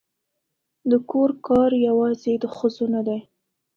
د کور کار یوازې د ښځو نه دی